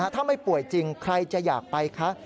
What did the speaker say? ถ้าไม่ป่วยจริงใครจะอยากไปคะ